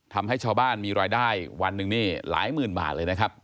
ทำให้ชาวบ้านมีรายได้วันหนึ่งนี่หลายหมื่นบาทเลยนะครับ